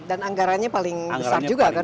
dan anggarannya paling besar juga kan untuk itu